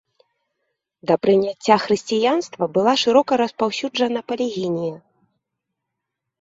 Да прыняцця хрысціянства была шырока распаўсюджана палігінія.